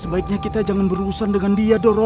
sebaiknya kita jangan berurusan dengan dia doro